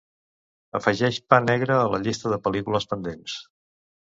Afegeix "Pa negre" a la llista de pel·lícules pendents.